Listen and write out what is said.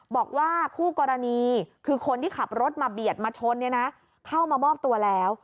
บอกว่าคู่กรณีคือคนที่ขับรถมาเบียดมาชนเนี่ยนะเข้ามามอบตัวแล้ว